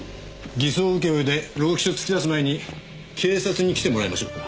偽装請負で労基署突き出す前に警察に来てもらいましょうか。